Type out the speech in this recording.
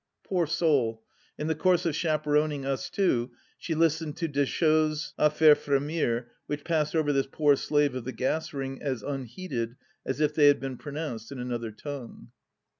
Poor soul, in the course of chaperoning us two she listened to des choses A faire frimir, which passed over this poor slave of the gas ring as unheeded as if they had been pronounced in another tongue.